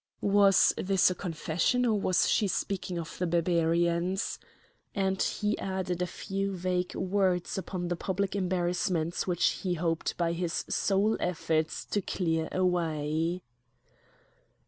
Was this a confession, or was she speaking of the Barbarians? And he added a few vague words upon the public embarrassments which he hoped by his sole efforts to clear away.